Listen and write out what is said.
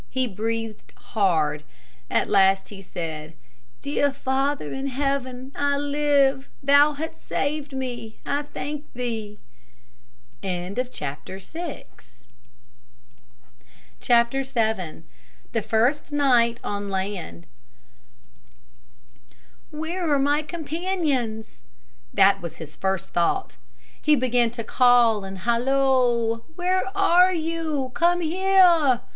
He breathed hard. At last he said, "Dear Father in Heaven, I live. Thou hast saved me. I thank Thee." VII THE FIRST NIGHT ON LAND "Where are my companions?" That was his first thought. He began to call and halloo: "Where are you? Come here!"